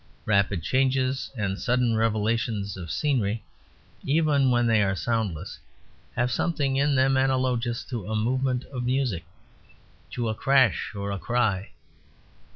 Rapid changes and sudden revelations of scenery, even when they are soundless, have something in them analogous to a movement of music, to a crash or a cry.